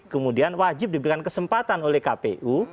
kemudian wajib diberikan kesempatan oleh kpu